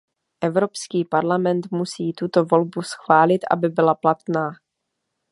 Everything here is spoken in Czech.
Evropský parlament musí tuto volbu schválit, aby byla platná.